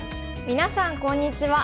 みなさんこんにちは。